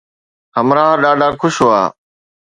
همراهه ڏاڍا خوش هئا